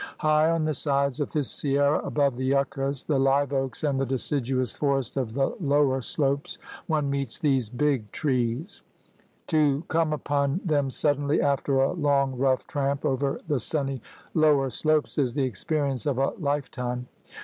High on the sides of the Sierra above the yuccas, the live oaks, and the deciduous forest of the lower slopes, one meets these Big Trees. To come upon 9G THE RED MAN'S CONTINENT them suddenly after a long, rough tramp over the sunny lower slopes is the experience of a lifetime.